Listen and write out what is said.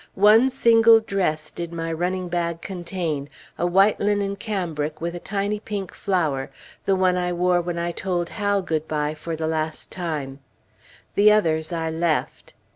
One single dress did my running bag contain a white linen cambric with a tiny pink flower the one I wore when I told Hal good bye for the last time. The others I left.